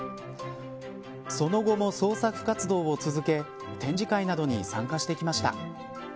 その後も創作活動を続け展示会などに参加してきました。